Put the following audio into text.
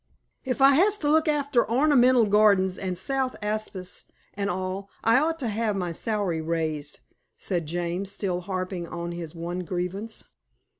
"If I has to look after ornamental gardens and South aspics and all, I ought to have my salary raised," said James, still harping on his one grievance.